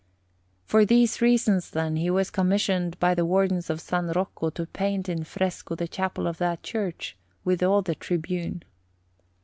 For these reasons, then, he was commissioned by the Wardens of S. Rocco to paint in fresco the chapel of that church, with all the tribune.